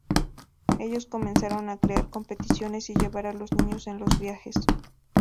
Ellos comenzaron a crear competiciones y llevar a los niños en los viajes.